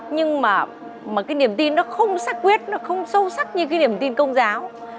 nhưng mà cái niềm tin nó không sắc quyết nó không sâu sắc như cái niềm tin công giáo